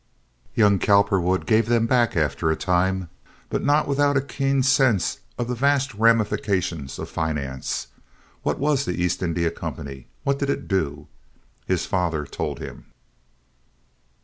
Young Cowperwood gave them back after a time, but not without a keen sense of the vast ramifications of finance. What was the East India Company? What did it do? His father told him.